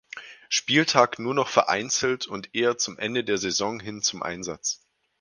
Spieltag nur noch vereinzelt und eher zum Ende der Saison hin zum Einsatz.